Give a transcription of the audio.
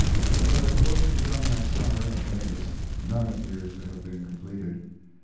But of the books begun that summer at Weggis none appears to have been completed.